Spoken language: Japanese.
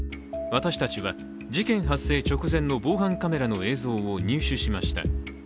私たちは、事件発生直前の防犯カメラの映像を入手しました。